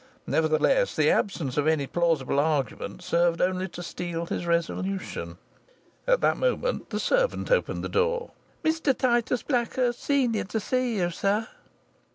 Nevertheless, the absence of any plausible argument served only to steel his resolution. At that moment the servant opened the door. "Mr Titus Blackhurst, senior, to see you, sir."